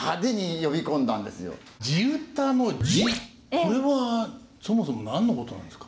これはそもそも何のことなんですか？